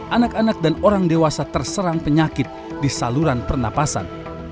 anak anak dan orang dewasa terserang penyakit di saluran pernapasan